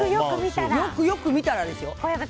よくよく見たらですよ。